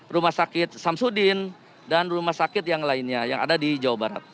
rumah sakit samsudin dan rumah sakit yang lainnya yang ada di jawa barat